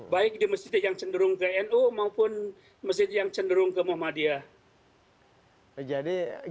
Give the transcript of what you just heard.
baik di masjid yang cenderung ke nu maupun masjid yang cenderung ke muhammadiyah